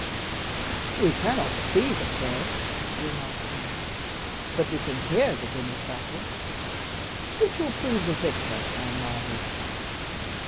"We cannot see the fray," remarked Henry; "but we can hear the din of battle. Which will prove the victor, I marvel?"